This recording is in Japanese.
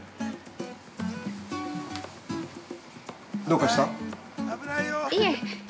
◆どうかした？